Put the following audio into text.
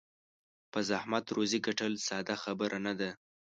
په زحمت روزي ګټل ساده خبره نه ده.